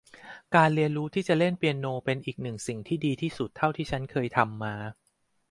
การเรียนรู้ที่จะเล่นเปียโนเป็นอีกหนึ่งสิ่งที่ดีที่สุดเท่าที่ฉันเคยทำมา